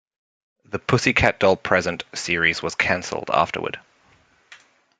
The "Pussycat Dolls Present" series was canceled afterward.